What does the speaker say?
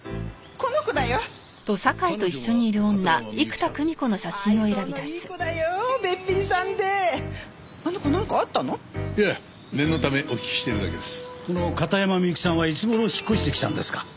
この片山みゆきさんはいつ頃引っ越してきたんですか？